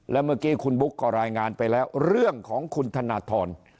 และเมื่อกี้คุณบุ๊กก็รายงานไปแล้วเรื่องของคุณธนทร